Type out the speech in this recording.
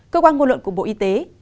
cơ quan ngôn luận của bộ y tế